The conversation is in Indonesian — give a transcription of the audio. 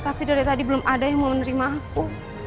tapi dari tadi belum ada yang mau menerima aku